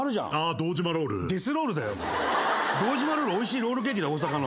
堂島ロールはおいしいロールケーキだ大阪の。